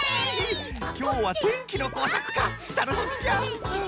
きょうはてんきのこうさくかたのしみじゃ。